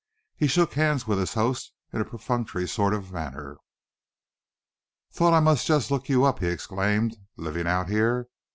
He shook hands with his host in a perfunctory sort of manner. "Thought I must just look you up," he explained, "living out here.